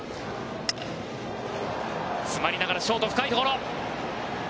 詰まりながらショート深いところ。